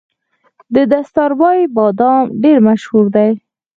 د ستاربای بادام ډیر مشهور دي.